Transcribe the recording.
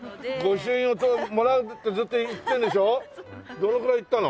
どのくらい行ったの？